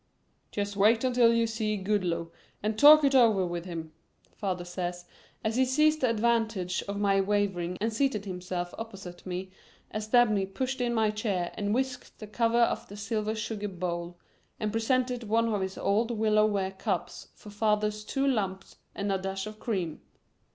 "Just wait until you see Goodloe and talk it over with him," father said, as he seized the advantage of my wavering and seated himself opposite me as Dabney pushed in my chair and whisked the cover off the silver sugar bowl and presented one of his old willow ware cups for father's two lumps and a dash of cream.